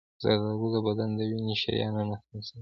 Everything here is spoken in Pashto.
زردآلو د بدن د وینې شریانونه خلاصوي.